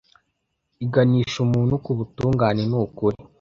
iganisha umuntu ku butungane n’ukuri.